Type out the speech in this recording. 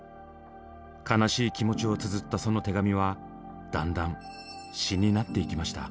悲しい気持ちをつづったその手紙はだんだん詩になっていきました。